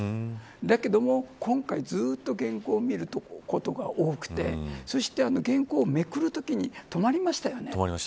だけども今回ずっと原稿を見てることが多くてそして、原稿をめくるときに止まりましたよね。